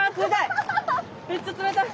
めっちゃ冷たい。